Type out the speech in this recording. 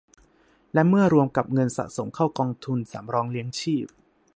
และเมื่อรวมกับเงินสะสมเข้ากองทุนสำรองเลี้ยงชีพ